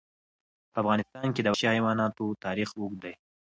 په افغانستان کې د وحشي حیوانات تاریخ اوږد دی.